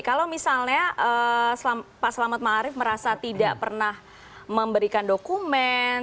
kalau misalnya pak selamat ma'arif merasa tidak pernah memberikan dokumen